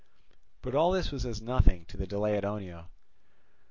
But all this was as nothing to the delay at Oenoe.